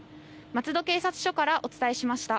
松戸警察署からお伝えしました。